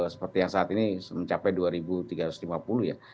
seperti yang saat ini mencapai dua tiga ratus lima puluh ya